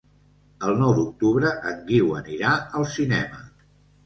El nou d'octubre en Guiu anirà al cinema.